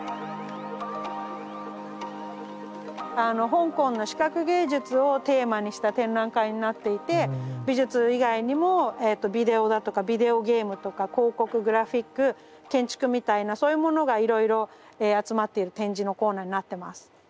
香港の視覚芸術をテーマにした展覧会になっていて美術以外にもビデオだとかビデオゲームとか広告グラフィック建築みたいなそういうものがいろいろ集まっている展示のコーナーになってます。